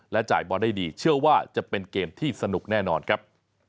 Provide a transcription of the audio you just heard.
จ่ายบอลได้ดีเชื่อว่าจะเป็นเกมที่สนุกแน่นอนครับ